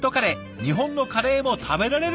日本のカレーも食べられるんですって！